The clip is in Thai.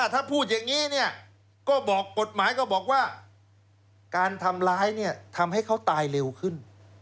ถ้าพูดอย่างนี้เนี่ยก็บอกกฎหมายก็บอกว่าการทำร้ายเนี่ยทำให้เขาตายเร็วขึ้น